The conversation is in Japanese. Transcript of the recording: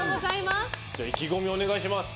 意気込みをお願いします。